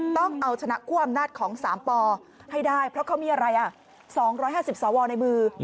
ต้องเอาชนะคั่วอำนาจของ๓ปให้ได้เพราะเขามีอะไร๒๕๐สวในมือ